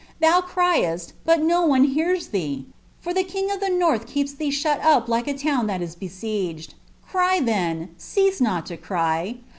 Thou CTiest, hni as one hears thee !— for the kinjj of the norili keeps thee shut np bkc i lawn that is besieged. Cry, then— cease not to cry